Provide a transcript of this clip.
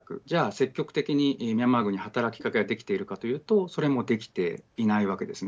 圧力をかけるわけでもなくじゃあ積極的にミャンマー軍に働きかけができているかというとそれもできていないわけですね。